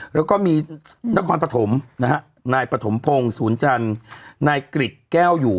แล้วก็มีนครปฐมนะฮะนายปฐมพงศ์ศูนย์จันทร์นายกริจแก้วอยู่